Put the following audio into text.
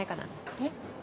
えっ？